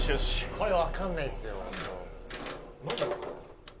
これわかんないですよ。